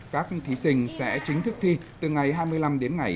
các thí sinh sẽ chính thức thi từ ngày một đến ngày hai